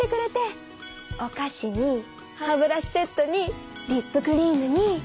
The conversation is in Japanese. おかしに歯ブラシセットにリップクリームに。